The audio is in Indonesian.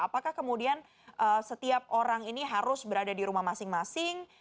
apakah kemudian setiap orang ini harus berada di rumah masing masing